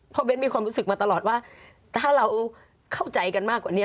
เพราะเบ้นมีความรู้สึกมาตลอดว่าถ้าเราเข้าใจกันมากกว่านี้